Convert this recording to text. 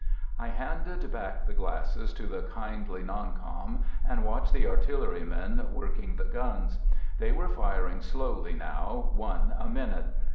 I handed back the glasses to the kindly "non com," and watched the artillerymen working the guns. They were firing slowly now, one a minute.